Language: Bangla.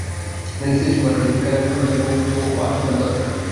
তিনি শ্রীশ্রীমার কাছে দীক্ষা নেন, সন্ন্যাসের বস্ত্র ও আশীর্বাদ লাভ করেন।